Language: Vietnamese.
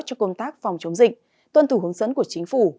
cho công tác phòng chống dịch tuân thủ hướng dẫn của chính phủ